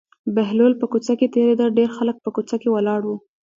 بهلول په کوڅه کې تېرېده ډېر خلک په کوڅه کې ولاړ وو.